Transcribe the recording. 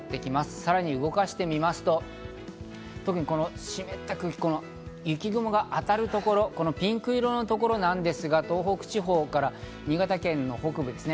さらに動かしてみますと、特に、この湿った雪雲が当たるところ、ピンク色のところなんですが、東北地方から新潟県の北部ですね。